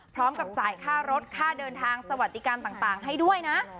พร้อมกับจ่ายค่ารถค่าเดินทางสวัสดิการต่างให้ด้วยนะ